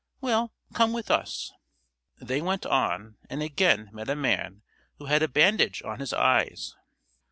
"Well, come with us." They went on, and again met a man who had a bandage on his eyes.